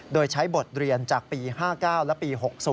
โดยใช้บทเรียนจากปี๑๙๕๙๑๙๖๐